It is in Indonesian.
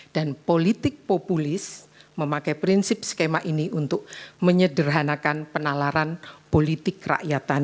dan politik populis memakai prinsip skema ini untuk menyederhanakan penalaran politik rakyatan